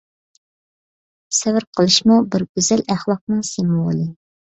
سەۋر قىلىشمۇ بىر گۈزەل ئەخلاقنىڭ سىمۋولى!